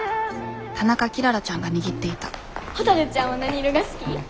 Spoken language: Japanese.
田中キララちゃんが握っていたほたるちゃんは何色が好き？